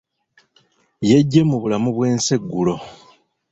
Yeggye mu bulamu bw'ensi eggulo.